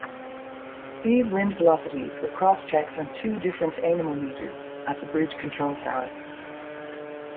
These wind velocities were cross-checked on two different anemometers at the bridge control tower.